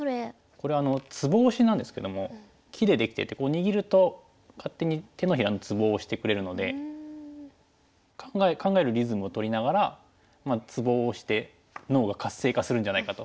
これツボ押しなんですけども木で出来てて握ると勝手に手のひらのツボを押してくれるので考えるリズムをとりながらツボを押して脳が活性化するんじゃないかと。